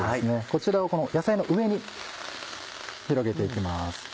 こちらをこの野菜の上に広げて行きます。